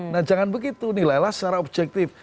nah jangan begitu nilailah secara objektif